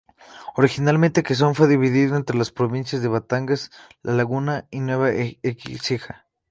Originalmente, Quezón fue dividido entre las provincias de Batangas, La Laguna, y Nueva Écija.